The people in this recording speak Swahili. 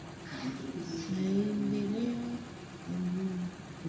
maendeleo endelevu yanatoa fursa kwa nchi na dunia kwa ujumla kutokomeza umaskini na kuhakikisha